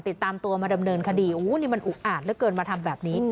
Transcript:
ติดตามตัวมาดำเนินคดีโอ้นี่มันอุกอาจเหลือเกินมาทำแบบนี้